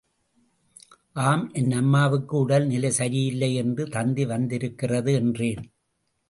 ஆம் என் அம்மாவுக்கு உடல் நிலை சரியில்லை என்று தந்தி வந்திருக்கிறது என்றேன்.